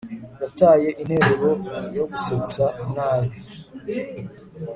Yataye interuro yo gusetsa nabi